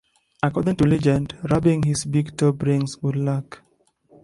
According to legend, rubbing his big toe brings good luck.